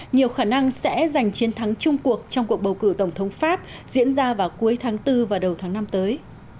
nhiều khả năng sẽ giành chiến thắng chung cuộc trong cuộc bầu cử tổng thống pháp diễn ra vào cuối tháng bốn và đầu tháng năm tới